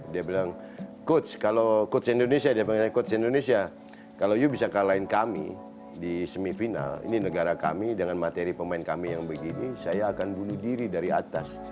dia bilang coach kalau coach indonesia dia panggilnya coach indonesia kalau you bisa kalahin kami di semifinal ini negara kami dengan materi pemain kami yang begini saya akan bunuh diri dari atas